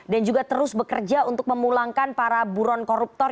dan juga terus bekerja untuk memulangkan para buron koruptor